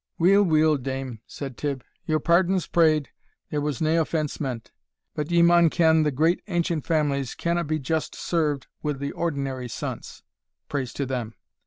"Weel, weel, dame," said Tibb, "your pardon's prayed, there was nae offence meant. But ye maun ken the great ancient families canna be just served wi' the ordinary saunts, (praise to them!)